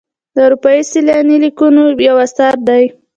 د اروپایي سیلاني لیکونه یو اثر دی.